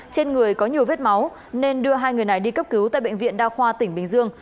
trên người có nhiều vết máu nên đưa hai người này đi cấp cứu tại bệnh viện đa khoa tỉnh bình dương